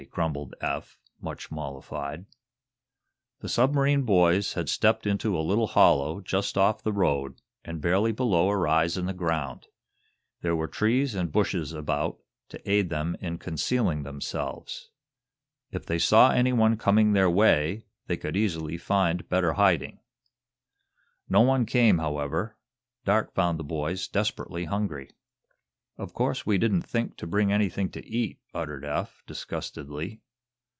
grumbled Eph, much mollified. The submarine boys had stepped into a little hollow, just off the road, and barely below a rise in the ground. There were trees and bushes about to aid them in concealing themselves. If they saw anyone coming their way they could easily find better hiding. No one came, however. Dark found the boys desperately hungry. "Of course we didn't think to bring anything to eat," uttered Eph, disgustedly.